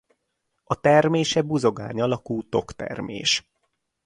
A termése buzogány alakú toktermés.